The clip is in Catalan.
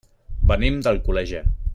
Venim d'Alcoleja.